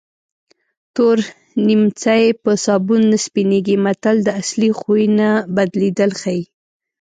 تور نیمڅی په سابون نه سپینېږي متل د اصلي خوی نه بدلېدل ښيي